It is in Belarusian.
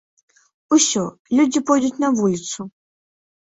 Усё, людзі пойдуць на вуліцу.